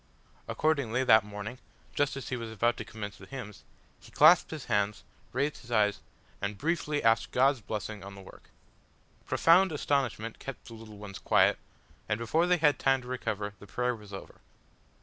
Accordingly, that morning, just as he was about to commence the hymns, he clasped his hands, raised his eyes, and briefly asked God's blessing on the work. Profound astonishment kept the little ones quiet, and before they had time to recover the prayer was over.